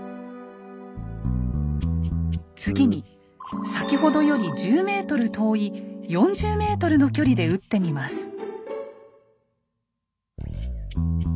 次に先ほどより１０ｍ遠い４０ｍの距離で撃ってみます。